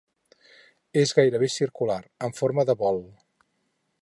És gairebé circular, amb forma de bol.